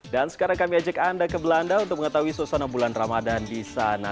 dan sekarang kami ajak anda ke belanda untuk mengetahui suasana bulan ramadan di sana